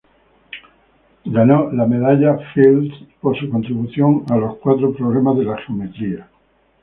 Ganó la medalla Fields por su contribución a los cuatro problemas de la geometría.